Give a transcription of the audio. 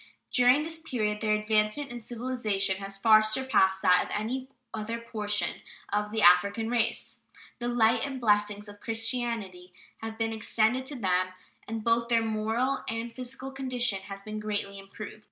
During this period their advancement in civilization has far surpassed that of any other portion of the African race. The light and the blessings of Christianity have been extended to them, and both their moral and physical condition has been greatly improved.